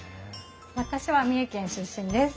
私は三重県出身です。